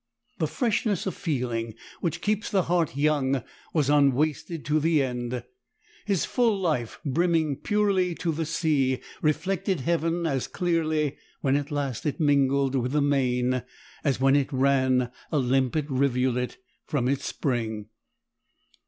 The freshness of feeling which keeps the heart young was unwasted to the end. His full life brimming purely to the sea reflected heaven as clearly when at last it mingled with the main as when it ran a limpid rivulet from its spring.